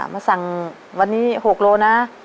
มาสั่งวันนี้๖โลนะ